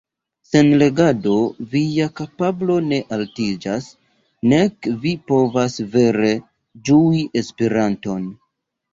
Sen legado via kapablo ne altiĝas, nek vi povas vere ĝui Esperanton.